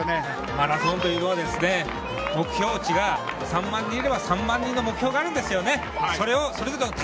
マラソンというのは目標値が３万人いれば３万人の目標があるんです。